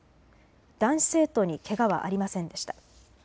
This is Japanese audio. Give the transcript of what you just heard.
男子生徒にけがはありませんでした。